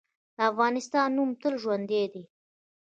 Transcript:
د افغانستان نوم تل ژوندی دی.